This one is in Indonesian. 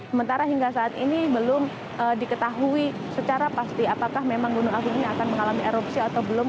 sementara hingga saat ini belum diketahui secara pasti apakah memang gunung agung ini akan mengalami erupsi atau belum